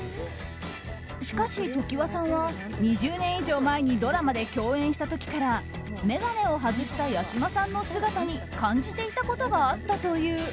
しかし、常盤さんは２０年以上前にドラマで共演した時から眼鏡を外した八嶋さんの姿に感じていたことがあったという。